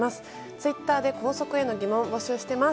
ツイッターで、校則への疑問募集しています。